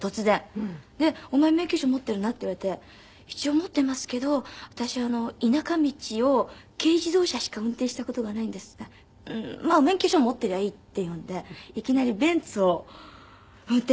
で「お前免許証持ってるな？」って言われて「一応持ってますけど私田舎道を軽自動車しか運転した事がないんです」って言ったら「まあ免許証持ってりゃいい」って言うんでいきなりベンツを運転させられまして。